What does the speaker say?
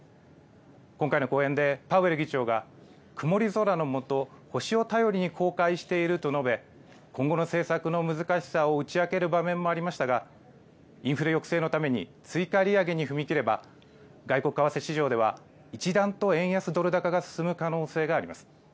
今回の講演でパウエル議長が、曇り空のもと、星を頼りに航海していると述べ、今後の政策の難しさを打ち明ける場面もありましたが、インフレ抑制のために追加利上げに踏み切れば、外国為替市場では一段と円安ドル高が進む可能性があります。